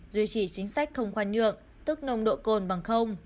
duy trì chính sách không khoan nhượng tức nồng độ cồn bằng không